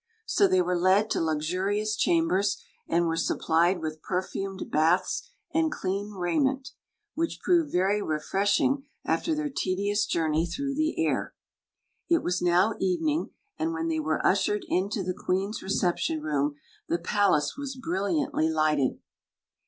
bo they were led to luxurious chambers, and were <^i^pi^ with fNM^titiK^ Jbaths and clean raiment, ^h prov^ vers^^flpriiing afi« th«r tedious jour ney through the air. It was now evening; and when they were ushered into the queen's recepticm room the palace was bril liantly lighted.